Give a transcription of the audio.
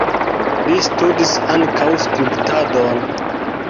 Li studis ankaŭ skulptadon.